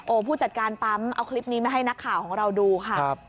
ผู้จัดการปั๊มเอาคลิปนี้มาให้นักข่าวของเราดูค่ะ